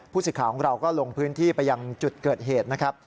สิทธิ์ของเราก็ลงพื้นที่ไปยังจุดเกิดเหตุนะครับ